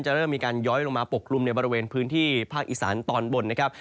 เริ่มมีการย้อยลงมาปกกลุ่มในบริเวณพื้นที่ภาคอีสานตอนบนนะครับ